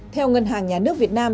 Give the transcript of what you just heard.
theo ngân hàng nhà nước việt nam